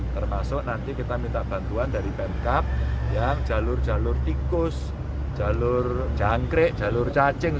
termasuk nanti kita minta bantuan dari pemkap yang jalur jalur tikus jalur jangkrik jalur cacing